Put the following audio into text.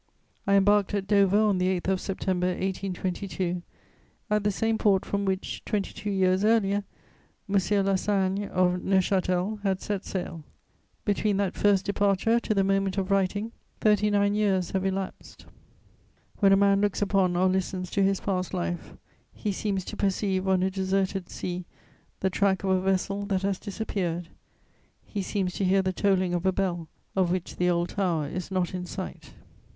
I embarked at Dover on the 8th of September 1822, at the same port from which, twenty two years earlier, "M. La Sagne of Neuchâtel" had set sail. Between that first departure to the moment of writing, thirty nine years have elapsed. When a man looks upon or listens to his past life, he seems to perceive on a deserted sea the track of a vessel that has disappeared; he seems to hear the tolling of a bell of which the old tower is not in sight.